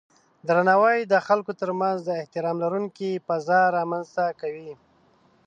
درناوی د خلکو ترمنځ د احترام لرونکی فضا رامنځته کوي.